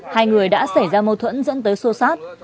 hai người đã xảy ra mâu thuẫn dẫn tới sô sát